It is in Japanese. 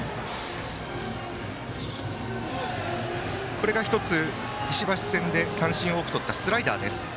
今のが石橋戦で三振を多くとったスライダー。